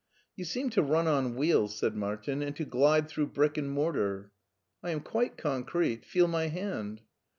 " You seem to run on wheels," said Martin, " and to glide through brick and mortar." " I am quite concrete. Feel my hand."